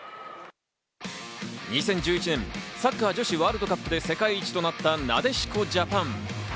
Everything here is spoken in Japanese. ２０１１年、サッカー女子ワールドカップで世界一となった、なでしこジャパン。